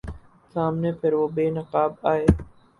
سامنے پھر وہ بے نقاب آئے